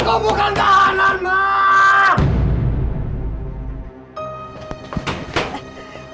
aku bukan tahanan mah